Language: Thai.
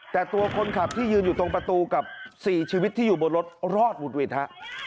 แต่ตัวคนขับที่ยืนอยู่ตรงประตูกับ๔ชีวิตที่อยู่บนรถรอดหุดหวิดฮะ